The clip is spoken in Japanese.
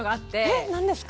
えっ何ですか？